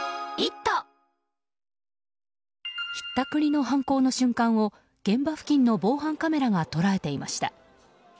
ひったくりの犯行の瞬間を現場付近の防犯カメラが捉えていました。